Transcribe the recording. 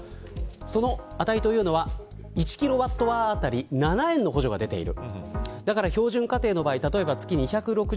その値というのは１キロワットアワー当たり７円の補助が出ている。